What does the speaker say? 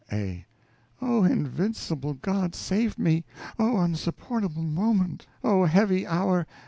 A. Oh, invincible God, save me! Oh, unsupportable moment! Oh, heavy hour!